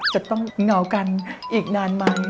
จะต้องเหงากันอีกนานไหม